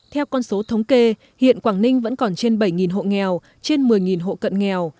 theo con số thống kê hiện quảng ninh vẫn còn trên bảy hộ nghèo trên một mươi hộ cận nghèo